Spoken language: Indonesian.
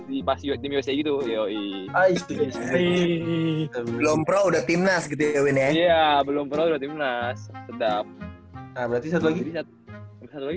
itu yoi belum pro udah timnas gitu ya ya belum pro timnas tetap berarti satu lagi satu lagi